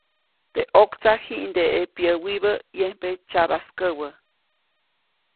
Teʼ ʼoktsaʼ jiʼndeʼe pyäwibä, yembe tsyabaskäwä.